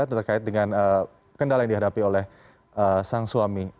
terkait dengan kendala yang dihadapi oleh sang suami